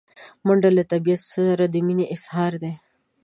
منډه له طبیعت سره د مینې اظهار دی